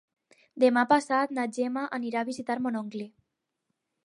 Demà passat na Gemma anirà a visitar mon oncle.